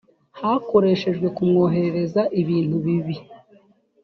hakoreshejwe kumwoherereza ibintu bibi